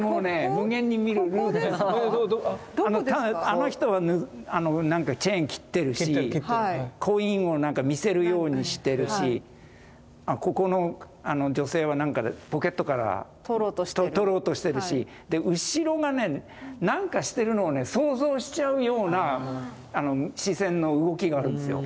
あの人はなんかチェーン切ってるしコインを見せるようにしてるしここの女性はなんかポケットから取ろうとしてるし後ろがね何かしてるのを想像しちゃうような視線の動きがあるんですよ。